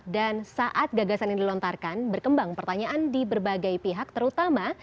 dan saat gagasan ini dilontarkan berkembang pertanyaan di berbagai pihak terutama